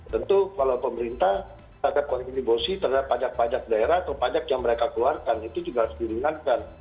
tentu kalau pemerintah terhadap kontribusi terhadap pajak pajak daerah atau pajak yang mereka keluarkan itu juga harus diringankan